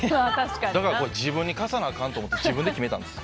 だから自分に課さなあかんと思って自分で決めたんです！